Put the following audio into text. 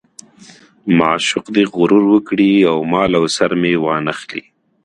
معشوق دې غرور وکړي او مال او سر مې وانه خلي.